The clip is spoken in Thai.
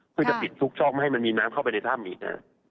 เพื่อจะปิดซุกซอกไม่ให้มันมีน้ำเข้าไปในถ้ำอีกนะฮะ